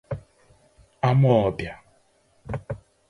Amawbịa